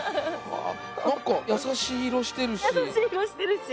何か優しい色してるし。